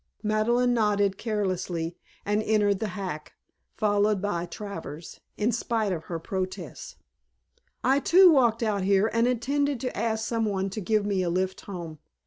Madeleine nodded carelessly and entered the hack, followed by Travers, in spite of her protests. "I too walked out here and intended to ask some one to give me a lift home.